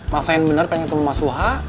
masain bener kan yang temen mas suha